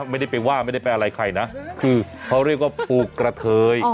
ไม่ได้ไปว่าไม่ได้ไปอะไรใครนะคือเขาเรียกว่าปูกระเทย